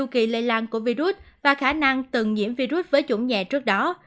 kỳ lây lan của virus và khả năng từng nhiễm virus với chủng nhẹ trước đó